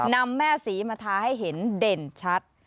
นำแม่ศรีมาทาให้เห็นเด่นชัด